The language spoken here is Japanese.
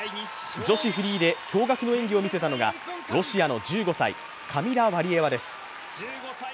女子フリーで驚がくの演技を見せたのがロシアの１５歳、カミラ・ワリエワです。